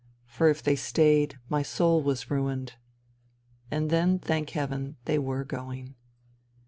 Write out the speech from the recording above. For if they stayed, my soul was ruined. And then, thank heaven, they were going.